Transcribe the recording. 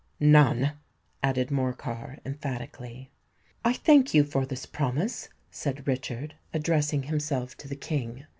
"None," added Morcar, emphatically. "I thank you for this promise," said Richard, addressing himself to the King.